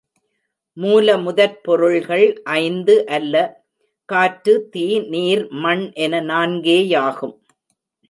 மூல முதற் பொருள்கள் ஐந்து அல்ல காற்று, தீ, நீர், மண் என நான்கேயாகும்.